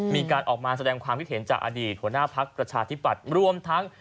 มีการออกมาแสดงความคิดเห็นจากอดีตหัวหน้าพักประชาธิปัตย์รวมทั้ง